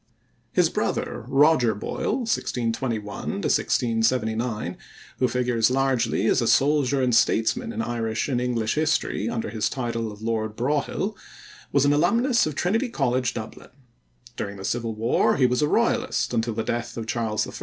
His brother, Roger Boyle (1621 1679), who figures largely as a soldier and a statesman in Irish and English history under his title of Lord Broghill, was an alumnus of Trinity College, Dublin. During the Civil War he was a royalist until the death of Charles I.